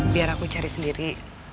biar aku cari sendiri